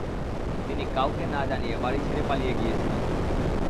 তিনি কাউকে না জানিয়ে বাড়ি ছেড়ে পালিয়ে গিয়েছিলেন।